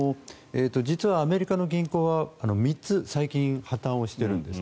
実はアメリカの銀行は３つ、最近破たんしてるんです。